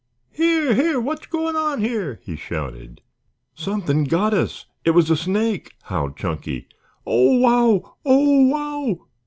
"Here, here, what's going on here?" he shouted. "Something got us. It was a snake," howled Chunky. "Oh, wow; oh, wow!"